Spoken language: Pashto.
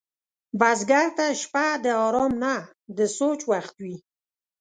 بزګر ته شپه د آرام نه، د سوچ وخت وي